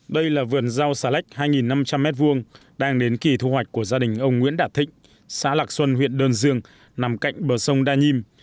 đây là vườn rau xà lách hai năm trăm linh m hai đang đến kỳ thu hoạch của gia đình ông nguyễn đạt thịnh xã lạc xuân huyện đơn dương nằm cạnh bờ sông đa nhiêm